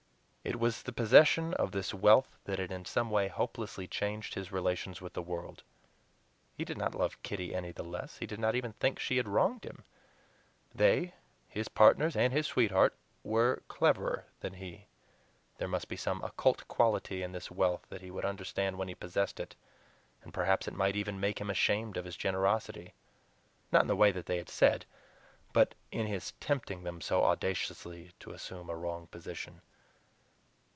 It was the possession of this wealth that had in some way hopelessly changed his relations with the world. He did not love Kitty any the less; he did not even think she had wronged him; they, his partners and his sweetheart, were cleverer than he; there must be some occult quality in this wealth that he would understand when he possessed it, and perhaps it might even make him ashamed of his generosity; not in the way they had said, but in his tempting them so audaciously to assume a wrong position.